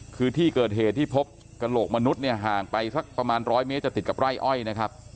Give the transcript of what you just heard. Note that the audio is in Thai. คือที่เกิดเหตุที่พบกระโหลกมนุษย์เนี่ยห่างไปสักประมาณ๑๐๐เมตรจะติดกับไร่อ้อยนะครับ